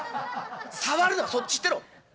触るなそっち行ってろ！」。